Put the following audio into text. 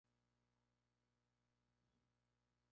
Retirada de la escena pública actualmente es profesora de canto.